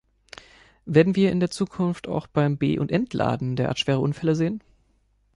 Werden wir in der Zukunft auch beim Be- und Entladen derart schwere Unfälle sehen?